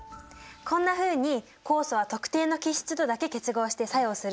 こんなふうに酵素は特定の基質とだけ結合して作用するんだよ。